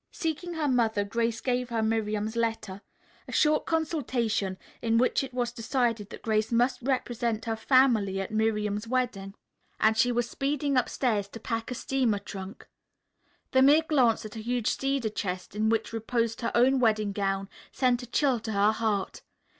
Seeking her mother, Grace gave her Miriam's letter. A short consultation in which it was decided that Grace must represent her family at Miriam's wedding, and she was speeding upstairs to pack a steamer trunk. The mere glance at a huge cedar chest in which reposed her own wedding gown sent a chill to her heart.